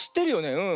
うん。